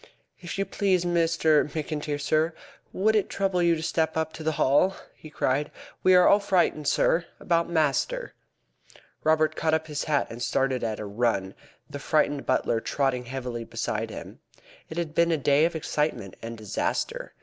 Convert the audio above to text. "If you please, Mr. McIntyre, sir, would it trouble you to step up to the Hall?" he cried. "We are all frightened, sir, about master." Robert caught up his hat and started at a run, the frightened butler trotting heavily beside him. It had been a day of excitement and disaster.